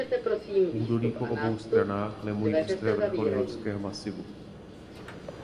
Údolí po obou stranách lemují ostré vrcholy horského masivu.